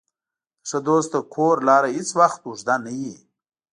د ښه دوست د کور لاره هېڅ وخت اوږده نه وي.